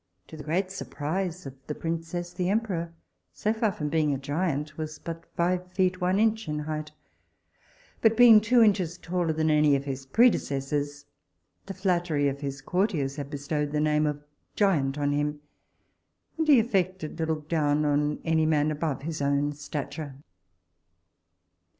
To the great surprise of the princess, the emperor, so far from being a giant, was but five feet one inch in height; but being two inches taller than any of his predecessors, the flattery of his courtiers had bestowed the name of giant on him; and he affected to look down upon any man above his own stature.